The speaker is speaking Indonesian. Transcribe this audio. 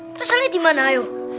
terus salahnya dimana ayo